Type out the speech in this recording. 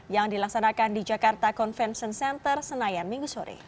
yang dilaksanakan di jakarta convention center senayan minggu sore